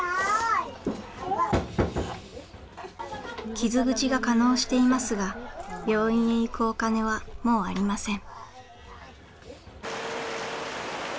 傷口が化のうしていますが病院へ行くお金はもうありません。